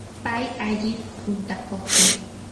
pay alli puntakuqmi.